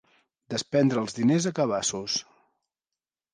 Despendre els diners a cabassos.